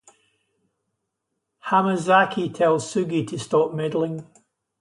Hamazaki tells Sugi to stop meddling.